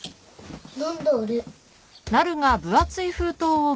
何だあれ。